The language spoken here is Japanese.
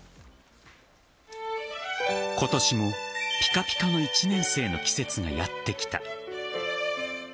今年もピカピカの１年生の季節がやってきた。